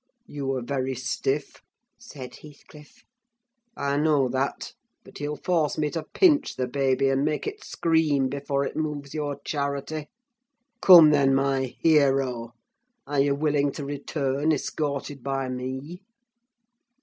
"You are very stiff," said Heathcliff, "I know that: but you'll force me to pinch the baby and make it scream before it moves your charity. Come, then, my hero. Are you willing to return, escorted by me?"